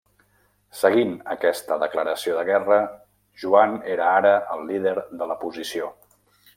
Seguint aquesta declaració de guerra, Joan era ara el líder de la posició.